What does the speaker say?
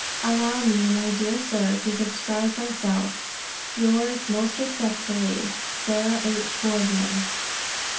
"Allow me, my dear sir, to subscribe myself, "Yours, most respectfully, "Sarah H. Boardman."